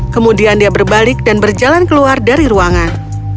kemudian dia berbalik dan berjalan keluar dari ruangan